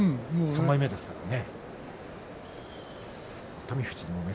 ３枚目ですからね。